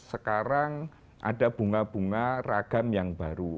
sekarang ada bunga bunga ragam yang baru